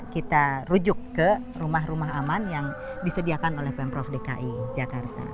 kita rujuk ke rumah rumah aman yang disediakan oleh pemprov dki jakarta